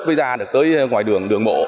mới ra được tới ngoài đường đường mộ